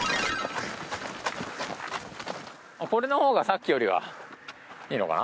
これのほうがさっきよりはいいのかな。